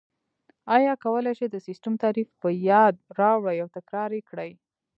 ایا کولای شئ د سیسټم تعریف په یاد راوړئ او تکرار یې کړئ؟